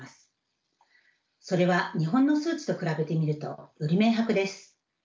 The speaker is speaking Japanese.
それは日本の数値と比べてみるとより明白です。